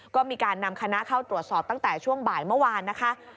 ก็มีการนำคณะเข้าตรวจสอบตั้งแต่ช่วงบ่ายเมื่อวานนะคะ